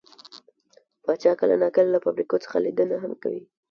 پاچا کله نا کله له فابريکو څخه ليدنه هم کوي .